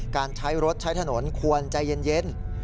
การใช้รถใช้ถนนควรใจเย็น